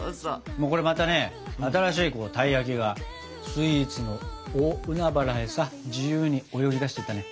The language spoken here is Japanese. これまたね新しいたい焼きがスイーツの大海原へさ自由に泳ぎだしていったね。